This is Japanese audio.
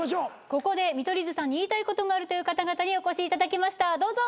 ここで見取り図さんに言いたいことがあるという方々にお越しいただきましたどうぞ。